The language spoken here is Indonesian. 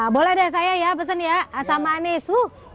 boleh deh saya ya pesen ya asam manis